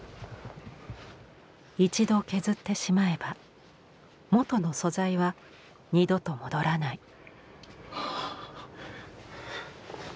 一度削ってしまえば元の素材は二度と戻らない。